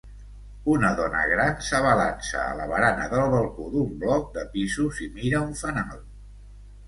Una dona gran s'abalança a la barana del balcó d'un bloc de pisos i mira un fanal.